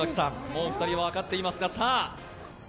もう２人は分かっていますが。